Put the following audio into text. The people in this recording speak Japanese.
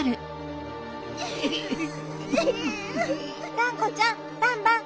がんこちゃんバンバン！